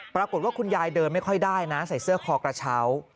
ปรากฏว่าคุณยายเดินไม่ค่อยได้นะใส่เสื้อคอกระเช้า